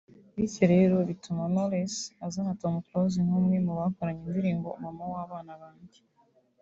bityo rero bituma na Knowless azana Tom Close nk’umwe mubakoranye indirimbo “Mama w’Abana banjye”